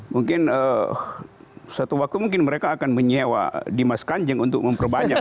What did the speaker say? mungkin suatu waktu mungkin mereka akan menyewa dimas kanjeng untuk memperbanyak